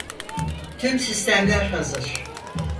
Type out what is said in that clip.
Tüm sistemler hazır.